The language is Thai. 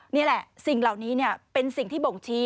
นี่แหละสิ่งเหล่านี้เป็นสิ่งที่บ่งชี้